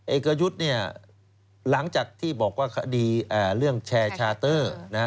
เอกยุทธ์เนี่ยหลังจากที่บอกว่าคดีเรื่องแชร์ชาเตอร์